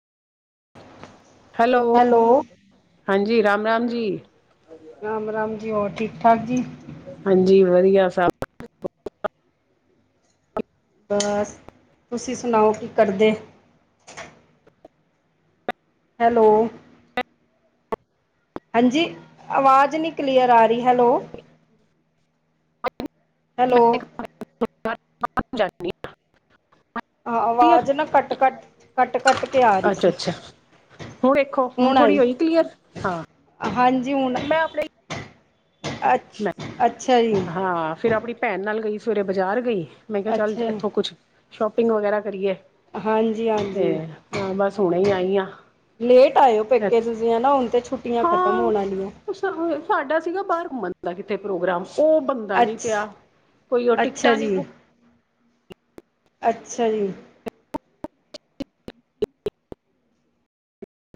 Hello ਹਾਂਜੀ, ਰਾਮ-ਰਾਮ ਜੀ। ਰਾਮ ਰਾਮ ਜੀ, ਔਰ ਠੀਕ ਠਾਕ ਜੀ? ਹਾਂਜੀ, ਵਧੀਆ ਸਭ। ਬਸ ਤੁਸੀਂ ਸੁਣਾਓ, ਕੀ ਕਰਦੇ? ਹੈਲੋ, ਹਾਂਜੀ, ਆਵਾਜ਼ ਨੀ ਕਲੀਅਰ ਆ ਰੀ ਹੈਲੋ। ਹੈਲੋ? ਜਾ ਆਹ ਆਵਾਜ਼ ਨਾ, ਕੱਟ-ਕੱਟ-ਕੱਟ-ਕੱਟ ਕੇ ਆ ਰਹੀ ਅੱਛਾ ਸੀ। ਅੱਛਾ ਹੁਣ ਦੇੇਖੋ, ਹੁਣ ਥੋੜ੍ਹੀ ਹੋਈ ਕਲੀਅਰ? ਹਾਂ। ਜੂਨ ਮੈਂ ਆਪਣੇ ਮੈਂ, ਹਾਂ! ਫਿਰ ਆਪਣੀ ਭੈਣ ਨਾਲ ਗਈ। ਸਵੇਰੇ ਬਜ਼ਾਰ ਗਈ। ਮੈਂ ਕਿਹਾ, ਚੱਲ! ਅੱਛਾ ਇੱਥੋਂ ਕੁਛ ਸ਼ੋਪਿੰਗ ਵਗੈਰਾ ਕਰੀਏ। ਹਾਂਜੀ ਤੇ ਹਾਂਜੀ ਹਾਂ! ਬਸ ਹੁਣੇ ਹੀ ਆਏ ਲੇਟ ਆਏਓ ਪੇਕੇ ਤੁਸੀਂ ਹੇਨਾ? ਹੁਣ ਤੇ ਛੁੱਟੀਆਂ ਖਤਮ ਹੋਣ ਆਲੀਆਂ ਹੈ। ਸਾਹਾਡਾ ਸੀਗਾ, ਬਾਹਰ ਘੁੰਮਣ ਦਾ ਕਿੱਥੇ ਪ੍ਰੋਗਰਾਮ। ਉਹ ਬੰਦਾ ਨਹੀਂ ਅੱਛ ਪਿਆ। ਕੋਈ ਉਹ ਅੱਛਾ ਟਿਕਟਾਂ ਨਹੀਂ ਜੀ ਬੁੱਕ ਅੱਛਾ ਜੀ।